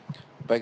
baik terima kasih